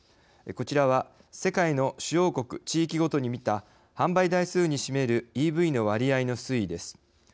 こちらは世界の主要国地域ごとに見た販売台数に占めるＥＶの割合の推移です。